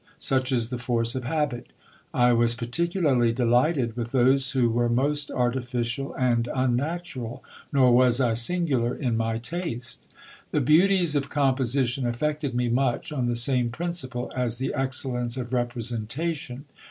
Such is the force of habit I was particularly delighted with those who were most artificial and unnatural ; nor was I singular in my taste. The beauties of composition affected me much on the same principle as the excellence of representation.